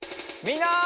みんな！